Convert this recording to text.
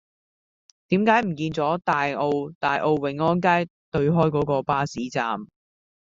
點解唔見左大澳大澳永安街對開嗰個巴士站